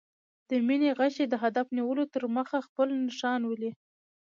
د مینې غشی د هدف نیولو تر مخه خپل نښان ولي.